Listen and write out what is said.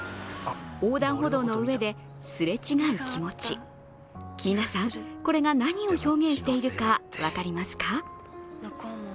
横断歩道の上で、すれ違う気持ち皆さん、これが何を表現しているか分かりますか？